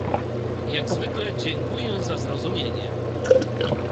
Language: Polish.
Jak zwykle dziękuję za zrozumienie